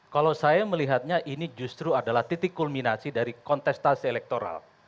kalau saya melihatnya ini justru adalah titik kulminasi dari kontestasi elektoral